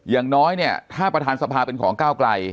อย่างน้อยเนี่ยถ้าประธานสภาเป็นของก้าวไกล